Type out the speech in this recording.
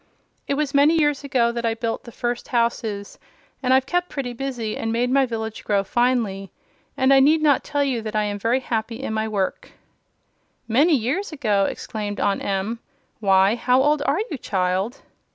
It was many years ago that I built the first houses, and I've kept pretty busy and made my village grow finely; and I need not tell you that I am very happy in my work." "Many years ago!" exclaimed Aunt Em. "Why, how old are you, child?"